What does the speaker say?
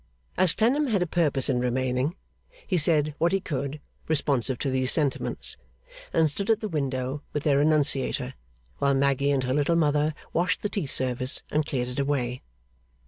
As Clennam had a purpose in remaining, he said what he could responsive to these sentiments, and stood at the window with their enunciator, while Maggy and her Little Mother washed the tea service and cleared it away.